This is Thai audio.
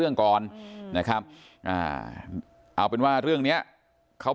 ก่อนนะครับอ่าเอาเป็นว่าเรื่องเนี้ยเขา